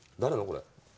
これ。